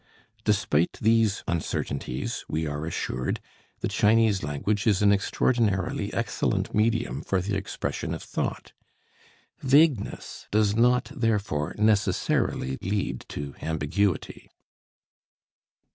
Despite these uncertainties, we are assured, the Chinese language is an extraordinarily excellent medium for the expression of thought. Vagueness does not, therefore, necessarily lead to ambiguity.